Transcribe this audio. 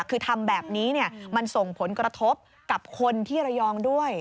คือทำแบบนี้มันส่งผลกระทบกับคนที่ระยองด้วย